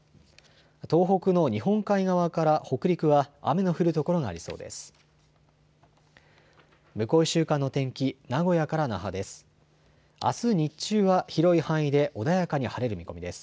東北の日本海側から北陸は雨の降る所がありそうです。